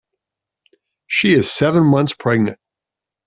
She is seven months pregnant.